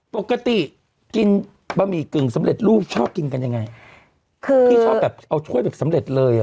ปกติกินบะหมี่กึ่งสำเร็จรูปชอบกินกันยังไงคือพี่ชอบแบบเอาถ้วยแบบสำเร็จเลยอ่ะ